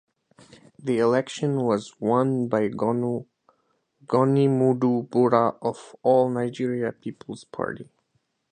The election was won by Goni Modu Bura of the All Nigeria Peoples Party.